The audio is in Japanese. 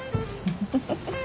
フフフ。